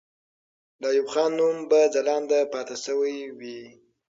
د ایوب خان نوم به ځلانده پاتې سوی وي.